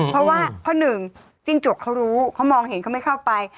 เพราะว่าเพราะหนึ่งจิ้งจกเขารู้เขามองเห็นเขาไม่เข้าไป